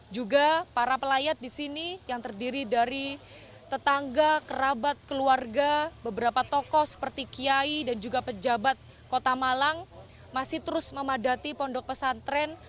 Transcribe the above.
juga para pelayat di sini yang terdiri dari tetangga kerabat keluarga beberapa tokoh seperti kiai dan juga pejabat kota malang masih terus memadati pondok pesantren